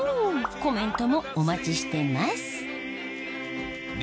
コメントもお待ちしてます